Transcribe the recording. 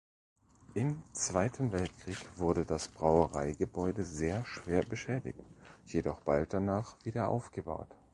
Im Zweiten Weltkrieg wurde das Brauereigebäude sehr schwer beschädigt, jedoch bald danach wieder aufgebaut.